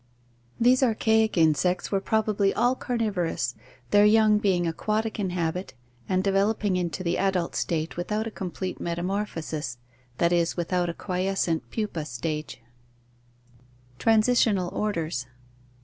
These archaic insects were probably all carniv orous, their young being aquatic in habit and de veloping into the adult state without a complete metamorphosis, that is, without a quiescent pupa stage (see page 441). Transitional Orders.